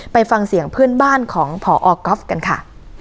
ไปฟังเสียงเพื่อนบ้านของพอก๊อฟกันค่ะ